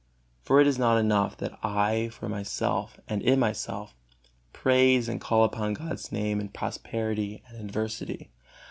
For it is not enough that I, for myself and in myself, praise and call upon God's Name in prosperity and adversity.